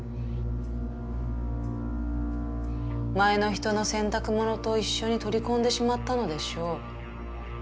前の人の洗濯物と一緒に取り込んでしまったのでしょう。